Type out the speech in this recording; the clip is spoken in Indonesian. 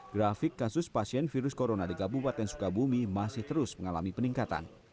grafik kasus pasien virus corona di kabupaten sukabumi masih terus mengalami peningkatan